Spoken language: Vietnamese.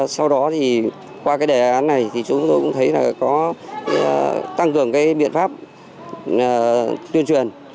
sau đó thì qua cái đề án này thì chúng tôi cũng thấy là có tăng cường cái biện pháp tuyên truyền